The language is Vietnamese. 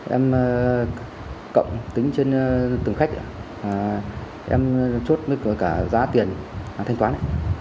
em cộng tính trên từng khách em chốt với cả giá tiền thanh toán